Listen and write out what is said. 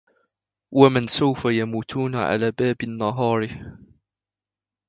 ومن سوف يموتون على باب النهار